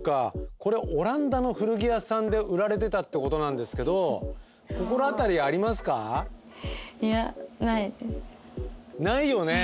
これオランダの古着屋さんで売られてたってことなんですけどないよね。